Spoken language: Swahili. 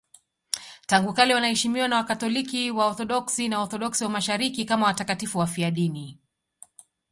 Tangu kale wanaheshimiwa na Wakatoliki, Waorthodoksi na Waorthodoksi wa Mashariki kama watakatifu wafiadini.